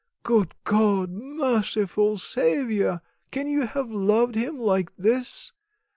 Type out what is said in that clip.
Good God! Merciful Saviour! can you have loved him like this?